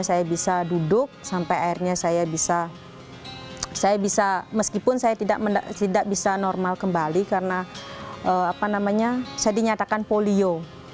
saya bisa duduk sampai akhirnya saya bisa saya bisa meskipun saya tidak bisa normal kembali karena saya dinyatakan polio